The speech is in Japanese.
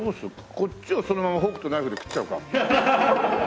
こっちをそのままフォークとナイフで食っちゃおうか？